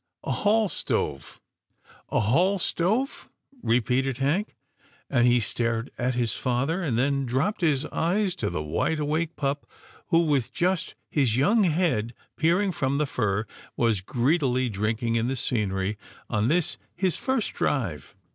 " A hall stove." " A hall stove," repeated Hank, and he stared at his father, and then dropped his eyes to the wide awake pup who, with just his young head peering from the fur, was greedily drinking in the scenery ^on this his first drive.